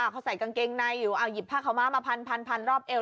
เขาใส่กางเกงในอยู่เอาหยิบผ้าขาวม้ามาพันรอบเอว